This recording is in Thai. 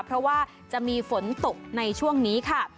เพราะว่าจะมีฝนตกในช่วงนี้ค่ะ